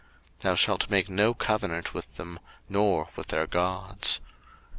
02:023:032 Thou shalt make no covenant with them, nor with their gods.